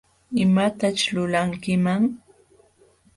¿Imataćh lulankiman?